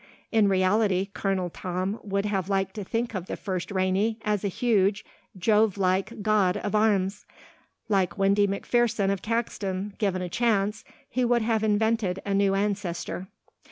In reality Colonel Tom would have liked to think of the first Rainey as a huge, Jove like god of arms. Like Windy McPherson of Caxton, given a chance, he would have invented a new ancestor.